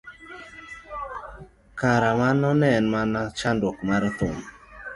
kara mano ne en mana chakruok mar thum